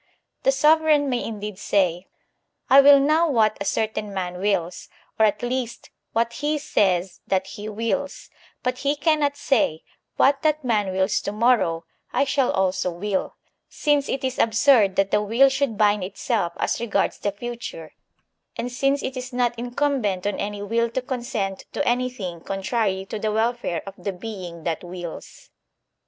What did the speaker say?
The sovereign may indeed say: *I will now what a certain man wills, or at least what he says that he wills*; but he cannot say: 'What that man wills to morrow, I shall also will,* since it is absurd that the will should bind itself as regards the future, and since it is not incumbent on any will to (ai) 12 THE SOCIAL CONTRACT consent to anything contrary to the welfare of the being that wills.